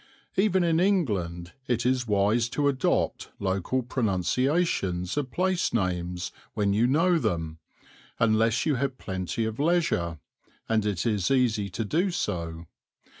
Even in England it is wise to adopt local pronunciations of place names when you know them, unless you have plenty of leisure; and it is easy to do so.